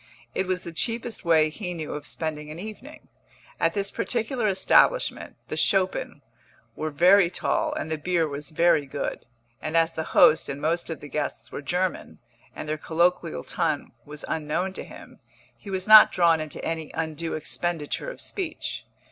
It was the cheapest way he knew of spending an evening. At this particular establishment the Schoppen were very tall and the beer was very good; and as the host and most of the guests were German, and their colloquial tongue was unknown to him, he was not drawn into any undue expenditure of speech.